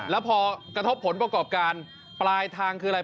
แล้วพอกระทบผลประกอบการปลายทางคืออะไร